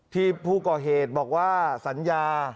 ที่ผู้ก่อเหตุบอกว่าสัญญา